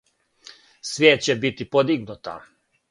Свијест ће бити подигнута.